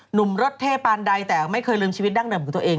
รถเท่ปานใดแต่ไม่เคยลืมชีวิตดั้งเดิมของตัวเอง